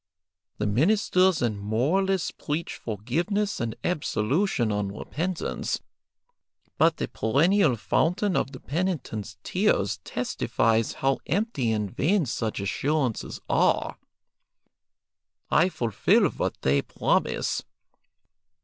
The ministers and moralists preach forgiveness and absolution on repentance, but the perennial fountain of the penitent's tears testifies how empty and vain such assurances are. I fulfil what they promise.